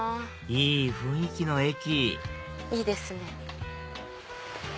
いい雰囲気の駅いいですね。